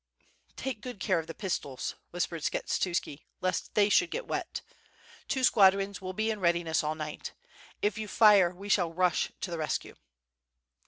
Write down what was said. "Take good care of the pistols," whispered Skshetuski, *^est they should get wet. Two squadrons will be in readi ness all night. If you fire we shall rush to the rescue."